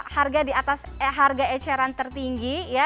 harga di atas harga eceran tertinggi